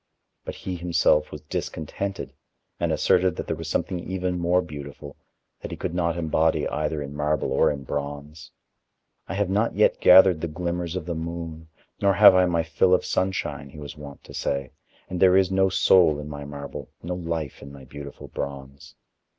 But he himself was discontented and asserted that there was something even more beautiful, that he could not embody either in marble or in bronze. "I have not yet gathered the glimmers of the moon, nor have I my fill of sunshine," he was wont to say, "and there is no soul in my marble, no life in my beautiful bronze."